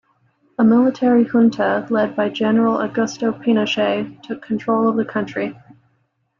A military junta, led by General Augusto Pinochet, took control of the country.